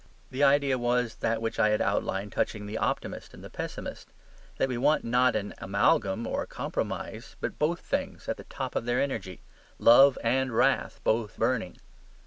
The idea was that which I had outlined touching the optimist and the pessimist; that we want not an amalgam or compromise, but both things at the top of their energy; love and wrath both burning.